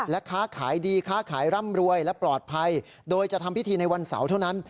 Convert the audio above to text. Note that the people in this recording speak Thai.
และค้าขายดีค้าขายร่ำรวยและปลอดภัยโดยจะทำพิธีในวันเสาร์เท่านั้น